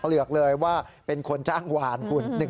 เลือกเลยว่าเป็นคนจ้างวานคุณ